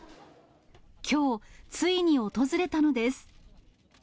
きょう、ついに訪れたのです。